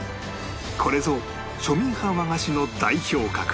これぞ庶民派和菓子の代表格